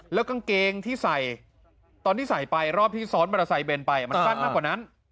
แล้วกางเกงที่ใส่ตอนที่ใส่ไปรอบที่ซ้อนมอเตอร์ไซค์เบนไปมันสั้นมากกว่านั้น